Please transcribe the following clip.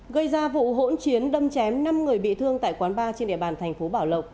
gây ra vụ hỗn chiến đâm chém năm người bị thương tại quán ba trên địa bàn thành phố bảo lộc